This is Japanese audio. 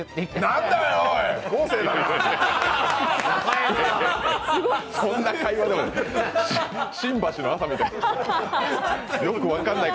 何だよ、おい！